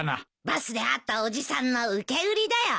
バスで会ったおじさんの受け売りだよ。